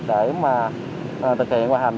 để mà thực hiện hoàn thành